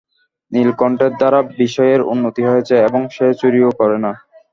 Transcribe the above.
নীলকণ্ঠের দ্বারা বিষয়ের উন্নতি হইয়াছে, এবং সে চুরিও করে না।